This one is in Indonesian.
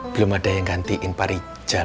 belum ada yang ngantiin pak rijal